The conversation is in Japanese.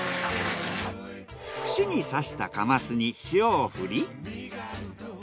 串に刺したカマスに塩を振り。